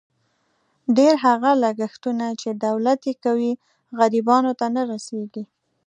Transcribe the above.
ډېر هغه لګښتونه، چې دولت یې کوي، غریبانو ته نه رسېږي.